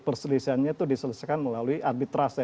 perselisihannya itu diselesaikan melalui arbitrase